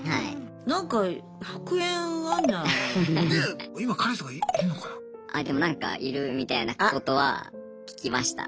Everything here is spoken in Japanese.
なんかでもなんかいるみたいなことは聞きました。